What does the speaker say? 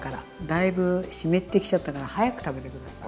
だいぶ湿ってきちゃったから早く食べて下さい。